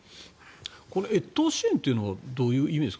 越冬支援というのはどういう意味ですか。